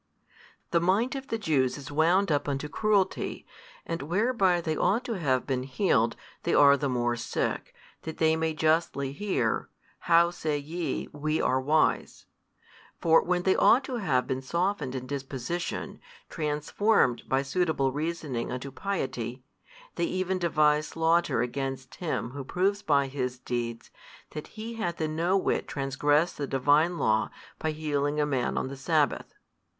The mind of the Jews is wound up unto cruelty, and whereby they ought to have been healed, they are the more sick, that they may justly hear, How say ye, WE are wise? For when they ought to have been softened in disposition, transformed by suitable reasoning unto piety, they even devise slaughter against Him Who proves by His Deeds, that He hath in no whit transgressed the Divine Law by healing a man on the sabbath.